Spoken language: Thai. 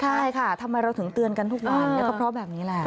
ใช่ค่ะทำไมเราถึงเตือนกันทุกวันก็เพราะแบบนี้แหละ